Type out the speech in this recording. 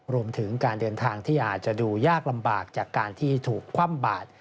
รวมถึงการเดินทางที่อาจจะดูยากลำบากจากการที่ถูกคว่ำบาด